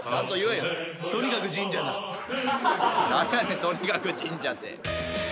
「とにかく神社」って。